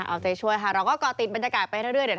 เอาใจช่วยค่ะเราก็ก่อติดบรรยากาศไปเรื่อย